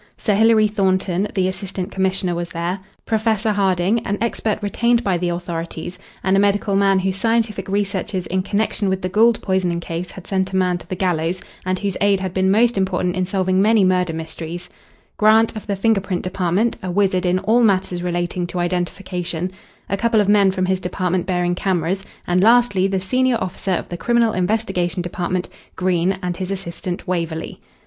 Sir Hilary Thornton, the assistant commissioner, was there; Professor Harding, an expert retained by the authorities, and a medical man whose scientific researches in connection with the Gould poisoning case had sent a man to the gallows, and whose aid had been most important in solving many murder mysteries; Grant of the finger print department, a wizard in all matters relating to identification; a couple of men from his department bearing cameras, and lastly the senior officer of the Criminal Investigation Department, Green, and his assistant, Waverley.